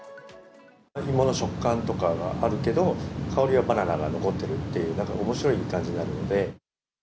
芋の食感とかがあるけど、香りはバナナが残ってるっていう、なんかおもしろい感じなので。